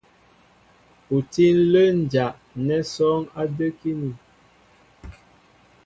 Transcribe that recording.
U tí ǹlə́ ǹjá' nɛ́ sɔ́ɔ́ŋ á də́kíní.